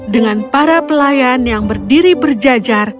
dengan para pelayan yang berdiri berjajar